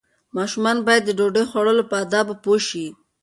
ماشومان باید د ډوډۍ خوړلو په آدابو پوه شي.